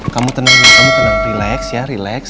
kamu tenang kamu tenang relax ya relax